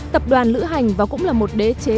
tập đoàn lữ hành và cũng là một đế chế